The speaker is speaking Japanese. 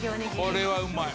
これはうまい」